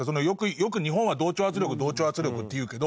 よく日本は同調圧力同調圧力っていうけど